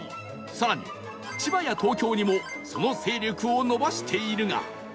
更に千葉や東京にもその勢力を伸ばしているが